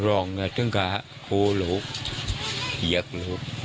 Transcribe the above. ลองก็อย่างเท่ากะโรยลูกเนี่ยรูป